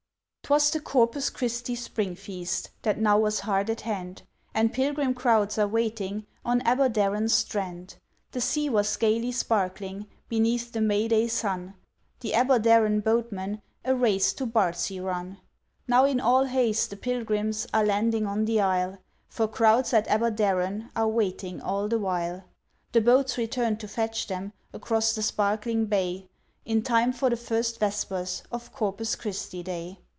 'Twas the Corpus Christi Spring Feast, That now was hard at hand, And Pilgrim crowds are waiting On Aberdaron's strand. The sea was gaily sparkling, Beneath the May day sun, The Aberdaron boatmen A race to Bardsey run. Now, in all haste the pilgrims Are landing on the isle, For crowds at Aberdaron Are waiting all the while. The boats return to fetch them, Across the sparkling bay, In time for the First Vespers Of Corpus Christi Day.